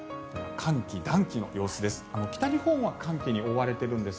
寒気、暖気の様子です。